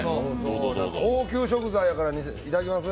高級食材やから、いただきます！